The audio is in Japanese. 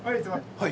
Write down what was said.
はい。